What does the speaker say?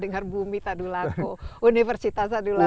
dengar bumi tadulako universitas tadula